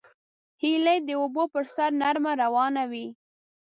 هیلۍ د اوبو پر سر نرمه روانه وي